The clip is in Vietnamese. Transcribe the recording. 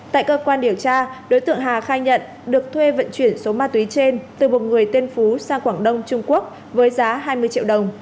tại cơ quan điều tra đối tượng hà khai nhận được thuê vận chuyển số ma túy trên từ một người tên phú sang quảng đông trung quốc với giá hai mươi triệu đồng